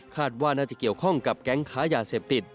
ว่าน่าจะเกี่ยวข้องกับแก๊งค้ายาเสพติด